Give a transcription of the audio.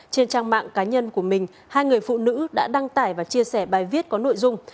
trên trang mạng cá nhân của mình hai người phụ nữ đã đăng tải và chia sẻ bài viết có nội dung